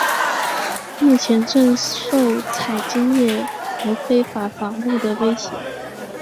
目前正受采金业和非法伐木的威胁。